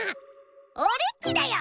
オレっちだよ！